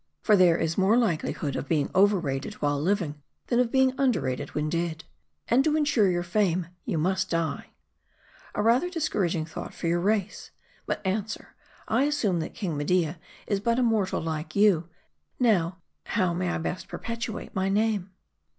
For there is more likelihood of being overrated while living, than of being underrated when dead. And to insure your fame, you must die." " A rather discouraging thought for your raee. But an swer : I assume 'that King Media is but a mortal like you ; now, how may I best perpetuate my name